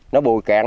nó bùi cạn